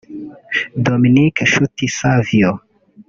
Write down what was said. Dominique Nshuti Savio